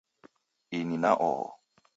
Ini na oho